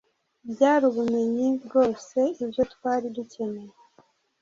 byari ubumenyi byose, ibyo twari dukeneye